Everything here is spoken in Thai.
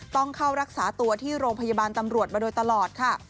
ต้องเข้ารักษาตัวที่โรงพยาบาลตำรวจมาโดยตลอดค่ะ